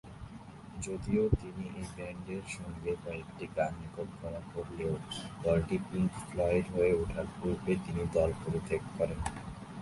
যদিও, তিনি এই ব্যান্ডের সঙ্গে কয়েকটি গান রেকর্ড করা করলেও, দলটি পিংক ফ্লয়েড হয়ে ওঠার পূর্বে তিনি দল পরিত্যাগ করেন।